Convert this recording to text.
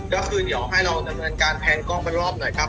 ก็คือเดี๋ยวให้เราดำเนินการแพงกล้องเป็นรอบหน่อยครับ